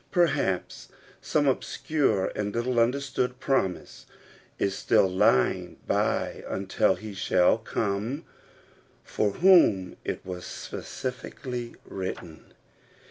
Perhaps some obscure and little understood promise is still lying by until he shall come for whom it was specially written.